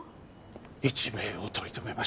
一命を取り留めました。